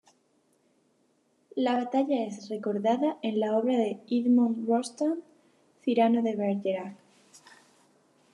La batalla es recordada en la obra de Edmond Rostand, "Cyrano de Bergerac".